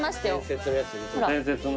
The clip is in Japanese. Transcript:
伝説の。